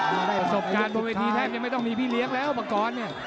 ประสบการณ์บนเวทีแทบจะไม่ต้องมีพี่เลี้ยงแล้วปังกรเนี่ย